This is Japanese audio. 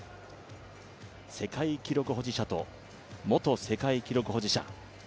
世界記録保持者と元世界記録保持者。